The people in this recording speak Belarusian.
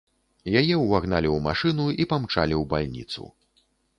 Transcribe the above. Яе ўвагналі ў машыну і памчалі ў бальніцу.